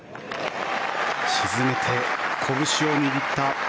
沈めて、こぶしを握った。